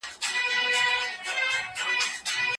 ټول تولیدي پلانونه او پروژې فلج سوي.